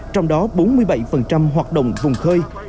trong đó bốn mươi bảy hoạt động vùng khơi